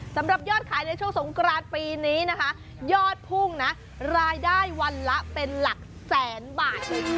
สำหรับยอดขายในช่วงสงกรานปีนี้นะคะยอดพุ่งนะรายได้วันละเป็นหลักแสนบาท